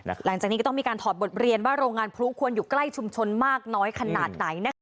หลังจากนี้ก็ต้องมีการถอดบทเรียนว่าโรงงานพลุ้งควรอยู่ใกล้ชุมชนมากน้อยขนาดไหนนะคะ